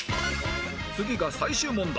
次が最終問題